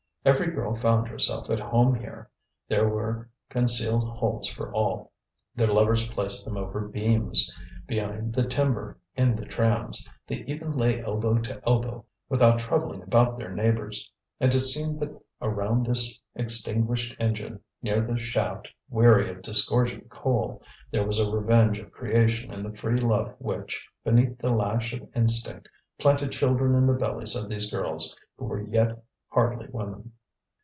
Every girl found herself at home here; there were concealed holes for all; their lovers placed them over beams, behind the timber, in the trams; they even lay elbow to elbow without troubling about their neighbours. And it seemed that around this extinguished engine, near this shaft weary of disgorging coal, there was a revenge of creation in the free love which, beneath the lash of instinct, planted children in the bellies of these girls who were yet hardly women.